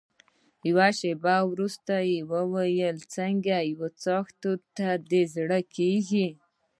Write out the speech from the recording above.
شېبه وروسته يې وویل: څنګه یو څه څیښاک ته دې زړه کېږي؟